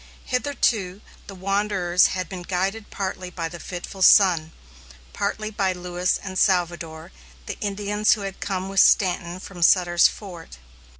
Hitherto, the wanderers had been guided partly by the fitful sun, partly by Lewis and Salvador, the Indians who had come with Stanton from Sutter's Fort.